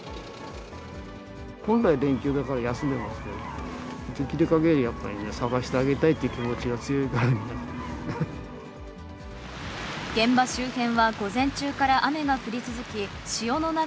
本来、連休だから休んでいるんですけど、できるかぎりやっぱりね、捜してあげたいっていう気持ちが強いからね。